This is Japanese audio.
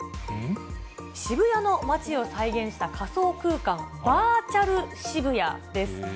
渋谷の街を再現した仮想空間、バーチャル渋谷です。